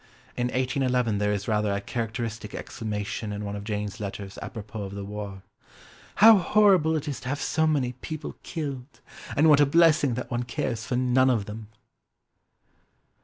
In 1811 there is rather a characteristic exclamation in one of Jane's letters apropos of the war: "How horrible it is to have so many people killed! And what a blessing that one cares for none of them!"